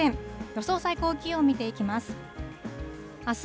予想最高気温、見ていきます。